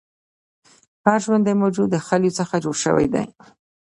هر ژوندی موجود د خلیو څخه جوړ شوی دی